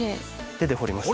手で彫りました。